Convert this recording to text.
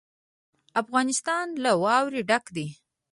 افغانستان له واوره ډک دی.